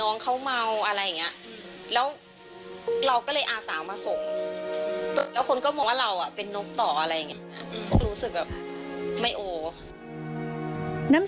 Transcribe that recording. น้ำหวาน